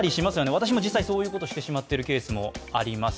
私も実際そういうことをしてしまっているケースもあります。